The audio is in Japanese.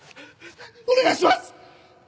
お願いします！